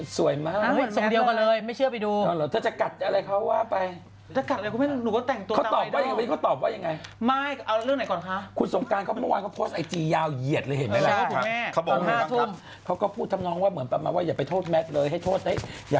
สวัสดีครับข้าวใส่ไทยสดใหม่เยอะโอเควันนี้นี่แมทออกมาแล้วเนอะ